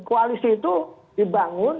koalisi itu dibangun